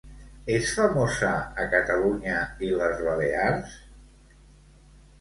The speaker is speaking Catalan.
És famosa a Catalunya i les Balears?